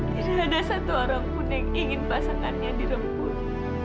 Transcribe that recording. tidak ada satu orang pun yang ingin pasangannya diremput